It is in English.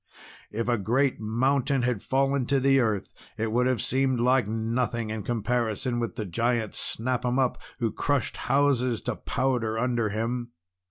If a great mountain had fallen to the earth, it would have seemed like nothing in comparison with the Giant Snap 'Em Up, who crushed houses to powder under him.